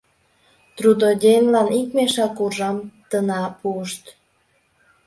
Трудоденьлан ик мешак уржам тына пуышт.